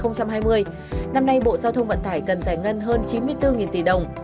năm nay bộ giao thông vận tải cần giải ngân hơn chín mươi bốn tỷ đồng